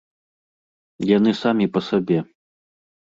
Яны самі па сабе.